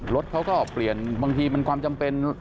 รถเขาก็เปลี่ยนบางทีมันความจำเป็น